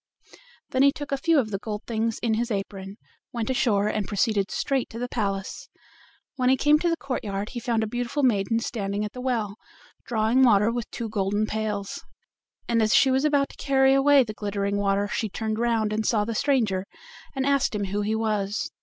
Then he took a few of the gold things in his apron, went ashore, and proceeded straight to the palace. When he came to the courtyard he found a beautiful maiden standing at the well, drawing water with two golden pails. And as she was about to carry away the glittering water she turned round and saw the stranger, and asked him who he was.